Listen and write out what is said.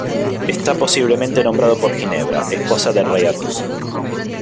Está posiblemente nombrado por Ginebra, esposa del rey Arturo.